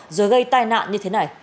rồi gây tai nạn như thế này